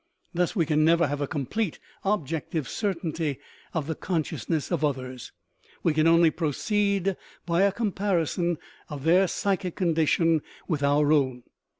Thus we can never have a complete objective certainty of the consciousness of others; we can only proceed by a comparison of their psychic condition with our own.